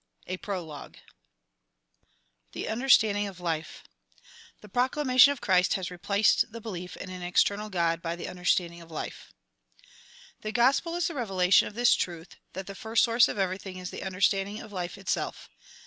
4t>, A PROLOGUE THE UNDERSTANDING OF LIFE The proclamation of Christ has replaced the belief in an external God by the understanding of life The Gospel is the revelation of this truth, that the first source of everything is the understanding of life itself.